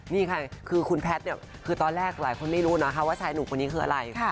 นี่ค่ะคือคุณแพทย์เนี่ยคือตอนแรกหลายคนไม่รู้นะคะว่าชายหนุ่มคนนี้คืออะไร